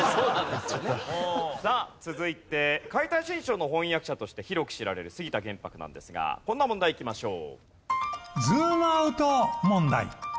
さあ続いて『解体新書』の翻訳者として広く知られる杉田玄白なんですがこんな問題いきましょう。